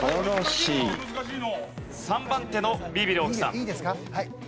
３番手のビビる大木さん。